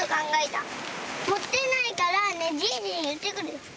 もてないからじいじにいってくる。